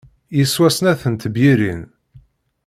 Yeswa snat n tebyirin.